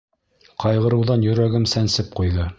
Ҡайғырыуҙан йөрәгем сәнсеп ҡуйҙы.